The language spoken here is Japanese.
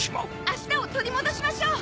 明日を取り戻しましょう！